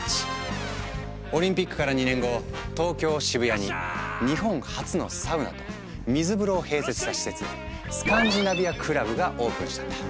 オリンピックから２年後東京・渋谷に日本初のサウナと水風呂を併設した施設「スカンジナビアクラブ」がオープンしたんだ。